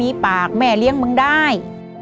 มีปากแม่เลี้ยงมึงได้